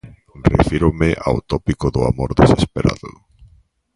Refírome ao tópico do amor desesperado...